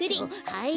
はい。